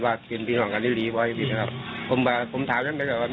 ว่าเห็นเป็นนั่นแหละครับอยู่หลังนี้เลยครับ